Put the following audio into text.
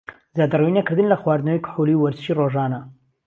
زیادەڕەوی نەکردن لە خواردنەوەی کحولی و وەرزشی رۆژانە